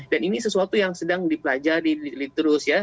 dan ini sesuatu yang sedang dipelajari dilihat terus ya